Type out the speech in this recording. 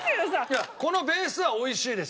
いやこのベースは美味しいです。